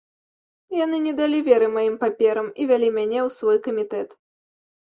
Яны не далі веры маім паперам і вялі мяне ў свой камітэт.